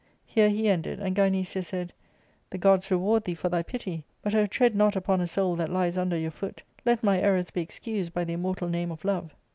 Here he ended, and Gynecia said, " The gods reward thee for thy pjty, but O tread not upon a soul that lies under your foot ; let my errors be excused by the immortal name of love."